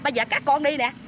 bây giờ các con đi nè